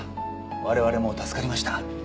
我々も助かりました。